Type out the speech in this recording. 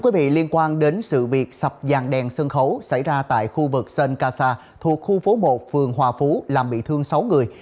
vụ việc sập dàn đèn sân khấu xảy ra tại khu vực sơn ca sa thuộc khu phố một phường hòa phú làm bị thương sáu người